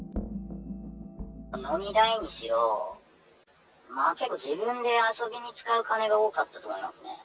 飲み代にしろ、まあ結構、自分で遊びに使う金が多かったと思いますね。